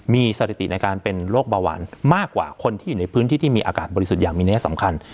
มีสถิติในการเป็นโรคเบาหวานมากกว่าคนที่อยู่ในพื้นที่ที่มีอากาศบริสุทธิ์อย่างมีนัยสำคัญ